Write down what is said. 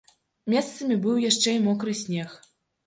Месцамі быў яшчэ і мокры снег.